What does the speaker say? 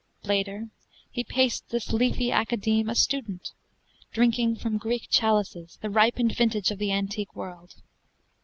Later he paced this leafy academe A student, drinking from Greek chalices The ripened vintage of the antique world.